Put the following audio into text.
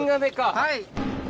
はい。